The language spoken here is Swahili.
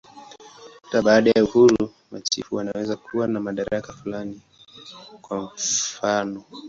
Hata baada ya uhuru, machifu wanaweza kuwa na madaraka fulani, kwa mfanof.